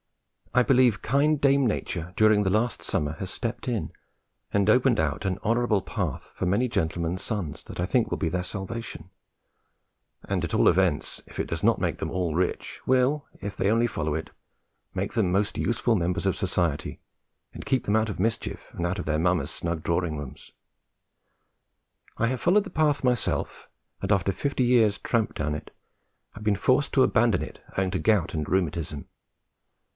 I believe kind Dame Nature during the last summer has stepped in and opened out an honourable path for many gentlemen's sons, that I think will be their salvation, and at all events, if it does not make them all rich, will, if they only follow it, make them most useful members of society and keep them out of mischief and out of their mammas' snug drawing rooms. I have followed the path myself, and, after fifty years' tramp down it, have been forced to abandon it owing to gout and rheumatism.